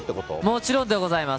もちろんでございます。